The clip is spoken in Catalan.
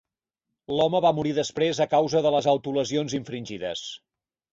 L'home va morir després a causa de les autolesions infringides.